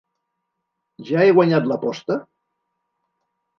Ja he guanyat l'aposta?